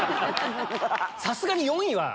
さすがに４位は。